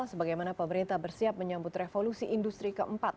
sebagaimana pemerintah bersiap menyambut revolusi industri keempat